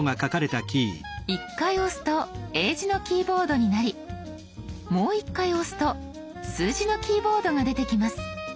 １回押すと英字のキーボードになりもう１回押すと数字のキーボードが出てきます。